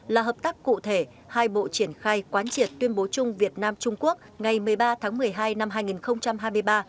là hợp tác cụ thể hai bộ triển khai quán triệt tuyên bố chung việt nam trung quốc ngày một mươi ba tháng một mươi hai năm hai nghìn hai mươi ba